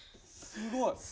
すごい。